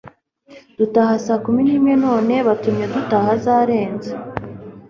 dutaha sakumi nimwe none batumye dutaha zarenze